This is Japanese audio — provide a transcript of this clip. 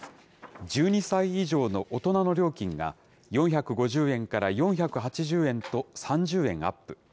１２歳以上の大人の料金が４５０円から４８０円と３０円アップ。